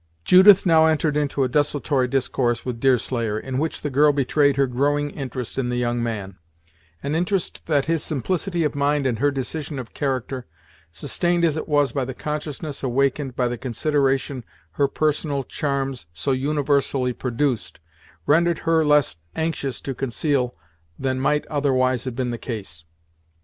Judith now entered into a desultory discourse with Deerslayer, in which the girl betrayed her growing interest in the young man; an interest that his simplicity of mind and her decision of character, sustained as it was by the consciousness awakened by the consideration her personal charms so universally produced, rendered her less anxious to conceal than might otherwise have been the case.